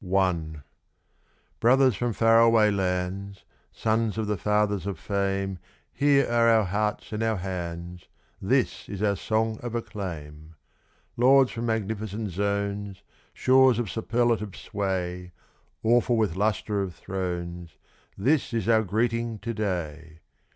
_] I Brothers from far away lands, Sons of the fathers of fame, Here are our hearts and our hands This is our song of acclaim. Lords from magnificent zones, Shores of superlative sway, Awful with lustre of thrones, This is our greeting to day.